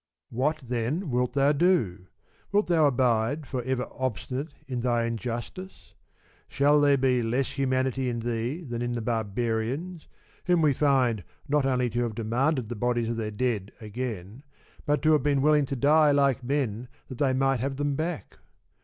What then wilt thou do? Wilt thou abide for ever obstinate in thy injustice ? Shall there be less humanity in thee than in the Barbarians, whom we find not only to have demanded the bodies of their dead again, but to have been willing to die like men that they might have them back